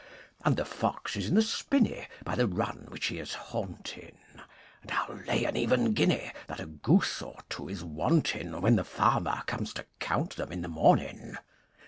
And the fox is in the spinney By the run which he is haunting, And I'll lay an even guinea That a goose or two is wanting When the farmer comes to count them in the morning.